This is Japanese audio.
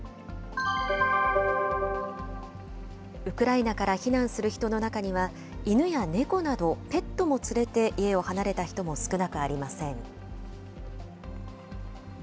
ウクライナから避難する人の中には、犬や猫など、ペットも連れて家を離れた人も少なくありません。